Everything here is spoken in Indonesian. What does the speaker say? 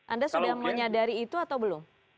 anda sudah menyadari itu atau belum